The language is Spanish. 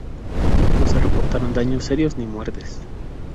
No se reportaron daños serios ni muertes.